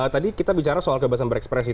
tadi kita bicara soal kebebasan berekspresi